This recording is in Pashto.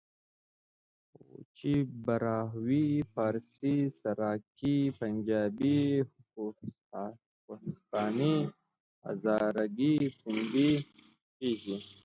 پښتو، بلوچي، براهوي، فارسي، سرایکي، پنجابي، کوهستاني، هزارګي، سندهي..ویل کېژي.